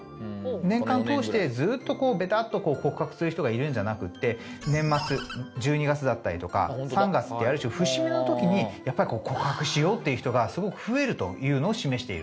年間通してずっとベタッと告白する人がいるんじゃなくて年末１２月だったりとか３月っていうある種節目の時にやっぱり告白しようっていう人がすごく増えるというのを示しているんです。